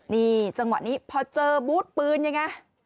นี่จังหวะนี้พอเจอบูธปืนยังไง